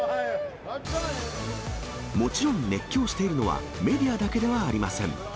もちろん、熱狂しているのは、メディアだけではありません。